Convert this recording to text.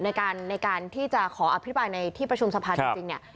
ในการที่จะขออภิกษาในที่ประชุมสะพานจริง